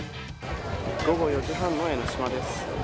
午後４時半の江の島です。